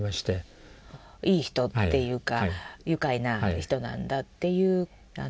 いい人っていうか愉快な人なんだっていう。